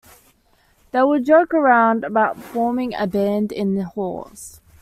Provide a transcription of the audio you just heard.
They would joke around about forming a band in the halls.